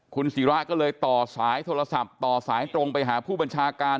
คุณศิราก็เลยต่อสายโทรศัพท์ต่อสายตรงไปหาผู้บัญชาการ